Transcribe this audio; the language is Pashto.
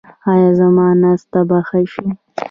ایا زما ناسته به ښه شي؟